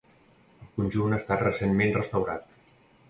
El conjunt ha estat recentment restaurat.